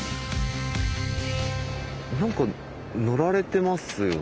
何か乗られてますよね？